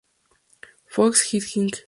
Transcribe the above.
Fox Head Inc.